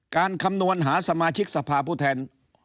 คำนวณหาสมาชิกสภาผู้แทน